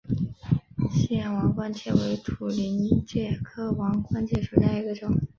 信阳王冠介为土菱介科王冠介属下的一个种。